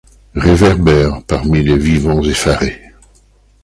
Réverbèrent, parmi les vivants effarés